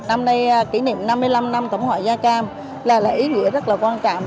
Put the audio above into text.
năm nay kỷ niệm năm mươi năm năm tổng hội da cam là lời ý nghĩa rất quan trọng